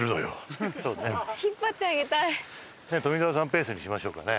ペースにしましょうかね。